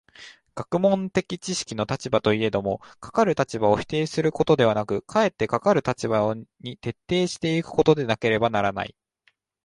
学問的知識の立場といえども、かかる立場を否定することではなく、かえってかかる立場に徹底し行くことでなければならない。